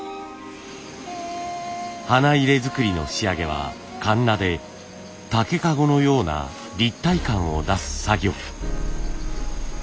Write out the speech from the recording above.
花入れづくりの仕上げはカンナで竹籠のような立体感を出す作業。